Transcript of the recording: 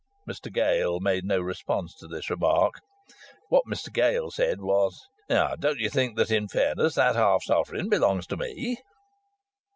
Mr Gale made no response to this remark. What Mr Gale said was: "Don't you think that in fairness that half sovereign belongs to me?"